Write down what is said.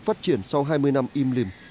phát triển sau hai mươi năm im lìm